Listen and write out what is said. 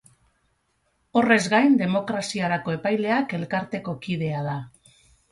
Horrez gain, Demokraziarako Epaileak elkarteko kidea da.